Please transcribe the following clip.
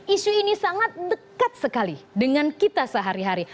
isu ini sangat dekat sekali dengan kita sehari hari